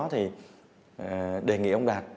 thì đề nghị ông đạt